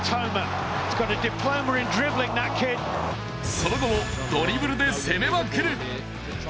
その後もドリブルで攻めまくる！